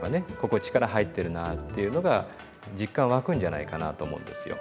ここ力入ってるなっていうのが実感湧くんじゃないかなと思うんですよ。